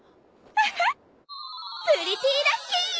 プリティラッキー！